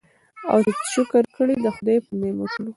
او چي شکر کړي د خدای پر نعمتونو